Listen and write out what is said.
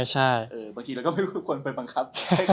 แบบบางทีเราก็ไม่ได้คนไปปังกับ